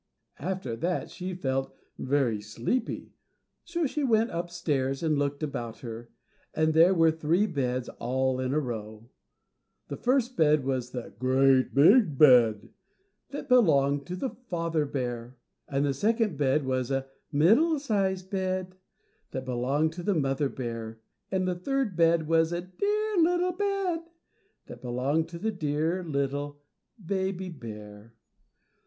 After that she felt very sleepy, so she went upstairs and looked about her, and there were three beds all in a row. The first bed was the GREAT BIG BED that belonged to the father bear. And the second bed was a +middling sized bed+ that belonged to the mother bear, and the third bed was a dear little bed that belonged to the dear little baby bear.